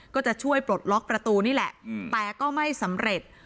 ก็จะช่วยปลดล็อกประตูนี่แหละแต่ก็ไม่สำเร็จ